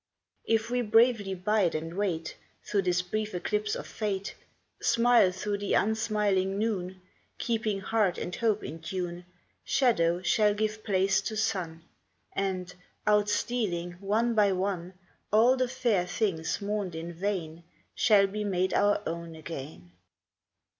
If we bravely bide and wait Through this brief eclipse of Fate, 110 IN THE FOG Smile through the unsmiling noon, Keeping heart and hope in tune, Shadow shall give place to sun, And, out stealing, one by one, All the fair things mourned in vain Shall be made our own again.